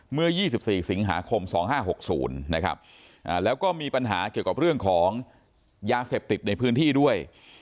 เมื่อ๒๔สิงหาคม๒๕๖๐นะครับแล้วก็มีปัญหาเกี่ยวกับเรื่องของยาเสพติดในพื้นที่ด้วย